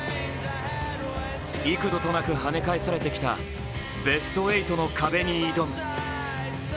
幾度となくはね返されてきたベスト８の壁に挑む。